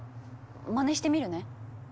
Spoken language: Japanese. まねしてみるね。